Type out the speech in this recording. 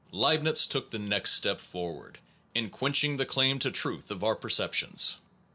Leibnitz took the next step forward in quenching the claim to truth of our percep Leibnitz tions.